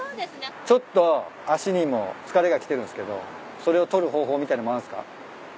ちょっと足にも疲れが来てるんすけどそれを取る方法みたいのもあるんすか？